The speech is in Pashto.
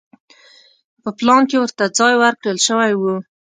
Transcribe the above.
په پلان کې ورته ځای ورکړل شوی و.